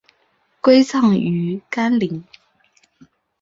归葬于干陵。